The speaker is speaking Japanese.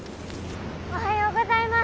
おはようございます。